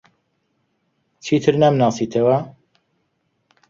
چیتر نامناسیتەوە؟